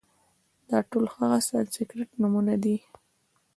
دا ټول هغه سانسکریت نومونه دي،